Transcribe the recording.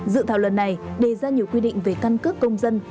dự thảo lần này đề ra nhiều quy định về căn cước công dân